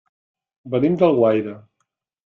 Venim d'Alguaire.